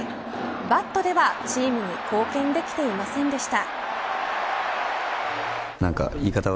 バットではチームに貢献できていませんでした。